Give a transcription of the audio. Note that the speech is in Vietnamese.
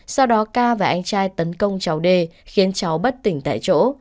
sau đó k và anh trai tấn công cháu d khiến cháu bất tỉnh tại chỗ